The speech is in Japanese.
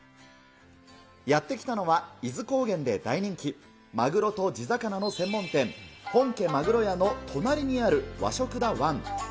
やって来たのは伊豆高原で大人気、マグロと地魚の専門店、本家鮪屋の隣にある和食だワン。